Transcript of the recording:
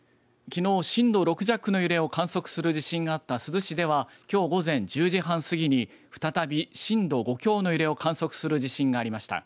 きのう震度６弱の揺れを観測する地震があった珠洲市ではきょう午前１０時半過ぎに再び震度５強の揺れを観測する地震がありました。